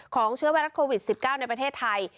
เชื้อไวรัสโควิด๑๙ในประเทศไทย